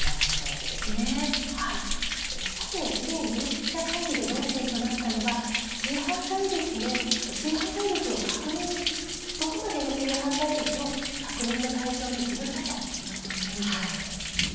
さて、次に有識者会議で論点となったのはどこまでの性犯罪歴を確認の対象にするかという点です。